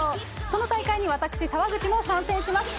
その大会に私、澤口も参戦します。